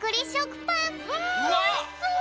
おいしそう！